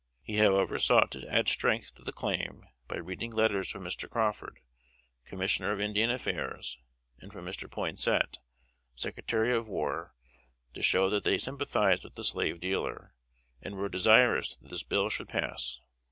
He however sought to add strength to the claim by reading letters from Mr. Crawford, Commissioner of Indian Affairs, and from Mr. Poinsett, Secretary of War, to show that they sympathized with the slave dealer, and were desirous that this bill should pass.